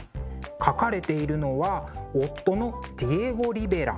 描かれているのは夫のディエゴ・リベラ。